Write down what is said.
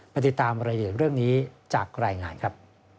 ติดตามรายละเอียดเรื่องนี้จากรายงานครับ